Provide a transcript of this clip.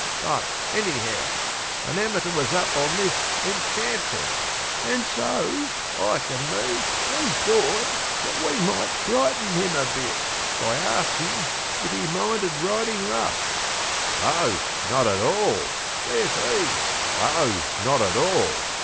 But anyhow, an amateur was up On this Enchantress, and so Ike and me, We thought that we might frighten him a bit By asking if he minded riding rough 'Oh, not at all,' says he, 'oh, not at all!